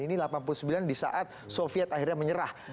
ini delapan puluh sembilan di saat soviet akhirnya menyerah